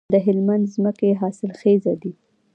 د هلمند ځمکې حاصلخیزه دي